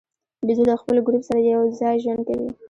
بیزو د خپل ګروپ سره یو ځای ژوند کوي.